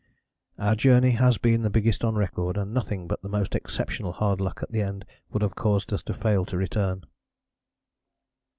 "... Our journey has been the biggest on record, and nothing but the most exceptional hard luck at the end would have caused us to fail to return."